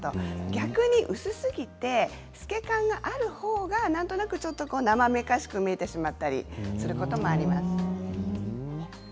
逆に薄すぎて透け感があるほうがなんとなくなまめかしく見えてしまったりすることもあります。